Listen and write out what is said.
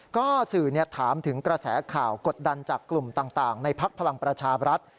ก็สื่อถามถึงกระแสข่าวกดดันจากกลุ่มต่างในพักพลังประชาบรัฐ